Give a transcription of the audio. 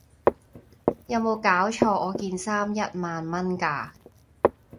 有沒有搞錯!我件衫一萬蚊架